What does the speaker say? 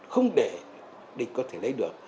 không để địch có thể lấy được